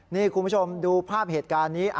นี่คุณผู้ชมดูภาพเหตุการณ์นี้